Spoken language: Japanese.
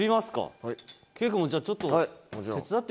圭君もじゃあちょっと手伝っていただいても。